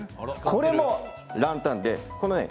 これもランタンです。